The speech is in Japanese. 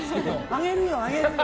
あげるよ、あげるよ。